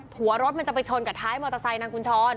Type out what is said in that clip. หัวรถมันจะไปชนกับท้ายมอเตอร์ไซค์นางกุญชร